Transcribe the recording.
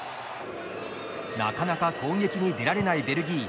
なかなか攻撃に出られないベルギー。